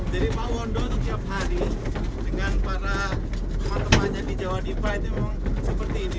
jadi pak suwondo itu tiap hari dengan para teman temannya di jawa dipa itu memang seperti ini